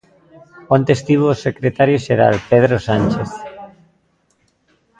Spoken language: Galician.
Onte estivo o secretario xeral, Pedro Sánchez.